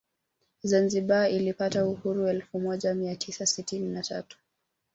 Zanzibar ilipata uhuru elfu moja Mia tisa na sitini na tatu